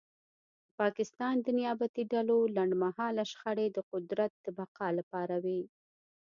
د پاکستان د نیابتي ډلو لنډمهاله شخړې د قدرت د بقا لپاره وې